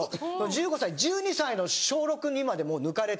１５歳１２歳の小６にまでもう抜かれて。